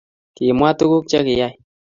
Kimwa tukuk chekiyai